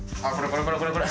これこれ。